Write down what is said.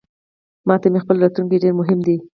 ماته مې خپل راتلونکې ډیرمهم دی